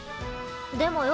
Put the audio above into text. でもよ